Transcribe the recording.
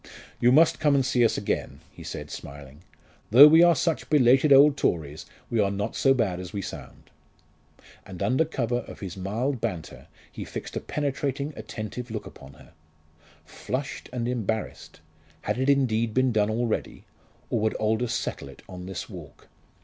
"You must come and see us again," he said smiling; "though we are such belated old Tories, we are not so bad as we sound." And under cover of his mild banter he fixed a penetrating attentive look upon her. Flushed and embarrassed! Had it indeed been done already? or would Aldous settle it on this walk?